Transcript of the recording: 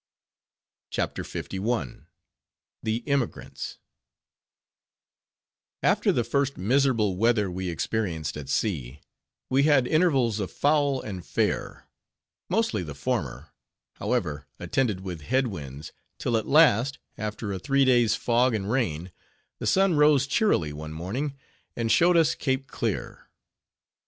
CHAPTER LI. THE EMIGRANTS After the first miserable weather we experienced at sea, we had intervals of foul and fair, mostly the former, however, attended with head winds, till at last, after a three days' fog and rain, the sun rose cheerily one morning, and showed us Cape Clear.